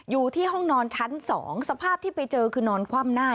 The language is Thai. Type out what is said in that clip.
อยู่ที่ห้องนอนชั้น๒สภาพที่ไปเจอคือนอนคว่ำหน้า